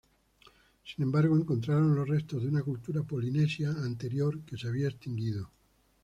Sin embargo, encontraron los restos de una cultura polinesia anterior que se había extinguido.